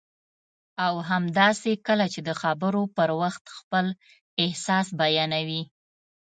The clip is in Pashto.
او همداسې کله چې د خبرو پر وخت خپل احساس بیانوي